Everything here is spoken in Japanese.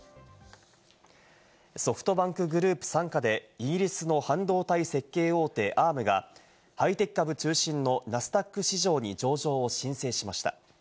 ソフトバンクグループ傘下で、イギリスの半導体設計大手・アームが、ハイテク株中心のナスダック市場に上場を申請しました。